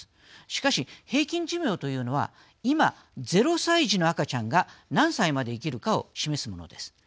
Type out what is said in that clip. しかし、平均寿命というのは今、ゼロ歳児の赤ちゃんが何歳まで生きるかを示すものです。